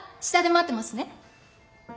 下で待ってますね。